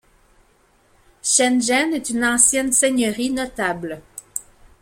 Schengen est une ancienne seigneurie notable.